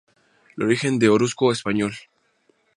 El origen de Otuzco Español.